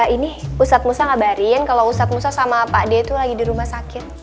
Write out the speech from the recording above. ini ustadz musa ngabarin kalau ustadz musa sama pak d itu lagi di rumah sakit